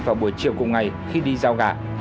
vào buổi chiều cùng ngày khi đi giao gã